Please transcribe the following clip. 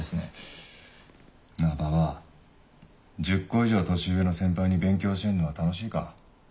１０個以上年上の先輩に勉強教えんのは楽しいか？